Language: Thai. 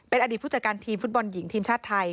อดีตผู้จัดการทีมฟุตบอลหญิงทีมชาติไทย